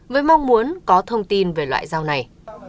với mong muốn có thông tin về loại rau này